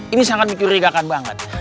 ini sangat mencurigakan banget